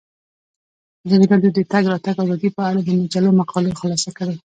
ازادي راډیو د د تګ راتګ ازادي په اړه د مجلو مقالو خلاصه کړې.